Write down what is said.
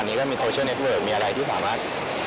อันนี้ก็มีโซเชียลเน็ตเวิร์กมีอะไรที่สามารถ